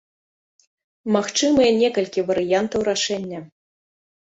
Магчымыя некалькі варыянтаў рашэння.